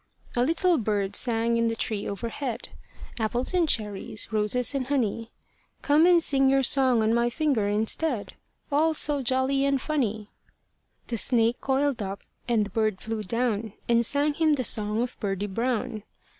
A little bird sang in the tree overhead, Apples and cherries, roses and honey; "Come and sing your song on my finger instead, All so jolly and funny." The snake coiled up; and the bird flew down, And sang him the song of Birdie Brown.